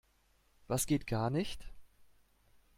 Was geht gar nicht?